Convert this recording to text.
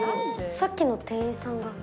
さっきの店員さんが。